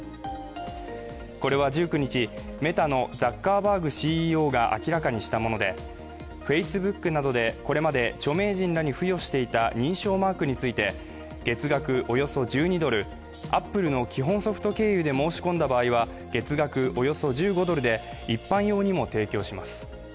これは１９日、メタのザッカーバーグＣＥＯが明らかにしたもので、Ｆａｃｅｂｏｏｋなどでこれまで著名人らに付与していた認証マークについて月額およそ１２ドル、アップルの基本ソフト経由で申し込んだ場合は月額およそ１５ドルで一般用にも提供します。